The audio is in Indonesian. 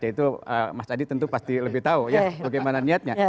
yaitu mas adi tentu pasti lebih tahu ya bagaimana niatnya